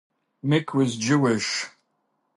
Mick was Jewish.